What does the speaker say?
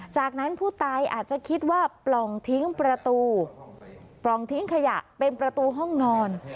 จากนั้นผู้ตายอาจจะคิดว่าปล่องทิ้งประตูปล่องทิ้งขยะเป็นประตูห้องนอน